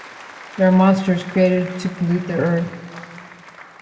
The are monsters created to pollute the Earth.